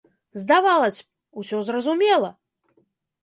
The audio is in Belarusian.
Здавалася б, усё зразумела!